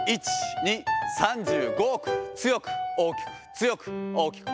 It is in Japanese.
１、２、３５億、強く大きく、強く大きく。